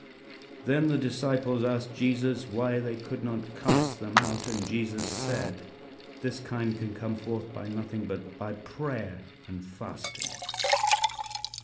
'" Then the disciples asked Jesus why they could not cast them out, and Jesus said: "This kind can come forth by nothing but by prayer and fasting."